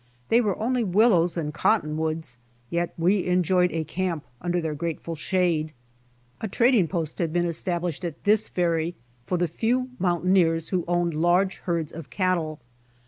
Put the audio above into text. They were only ^^^^ows and cottonwoods yet we enjoyed a camp under their grateful shade. A trading post had been established at this ferry for the few mountaineers who owned large herds of cattle.